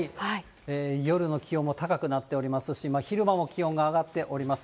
夜の気温も高くなっておりますし、昼間も気温が上がっております。